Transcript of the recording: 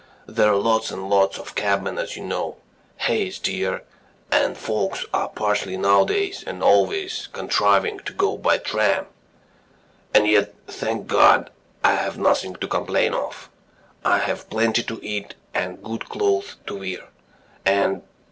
There are lots and lots of cabmen as you know, hay is dear, and folks are paltry nowadays and always contriving to go by tram. And yet, thank God, I have nothing to complain of. I have plenty to eat and good clothes to wear, and